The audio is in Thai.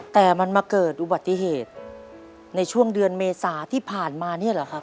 แต่มันมาเกิดอุบัติเหตุในช่วงเดือนเมษาที่ผ่านมาเนี่ยเหรอครับ